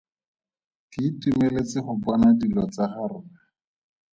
Ke itumeletse go bona dilo tsa ga rre.